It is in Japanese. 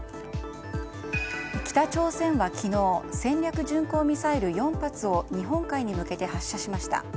北朝鮮は昨日戦略巡航ミサイル４発を日本海に向けて発射しました。